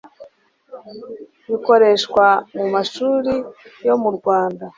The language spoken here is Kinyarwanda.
bikoreshwa mu mashuri yo mu Rwanda.